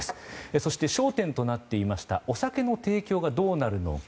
そして、焦点となっていましたお酒の提供がどうなるのか。